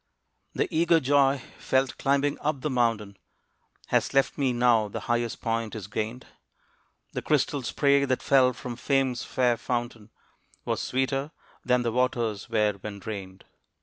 The eager joy felt climbing up the mountain Has left me now the highest point is gained. The crystal spray that fell from Fame's fair fountain Was sweeter than the waters were when drained.